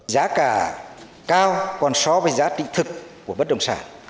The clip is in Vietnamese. giá cả cao còn so với giá trị thực của bất động sản